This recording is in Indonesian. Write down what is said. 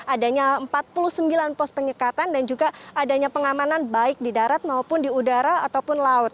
adanya empat puluh sembilan pos penyekatan dan juga adanya pengamanan baik di darat maupun di udara ataupun laut